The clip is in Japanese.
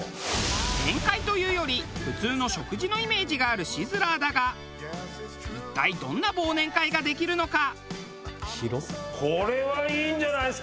宴会というより普通の食事のイメージがあるシズラーだが一体どんな忘年会ができるのか？